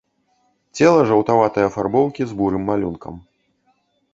Цела жаўтаватай афарбоўкі з бурым малюнкам.